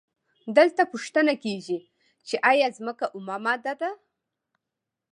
دلته پوښتنه کیږي چې ایا ځمکه اومه ماده ده؟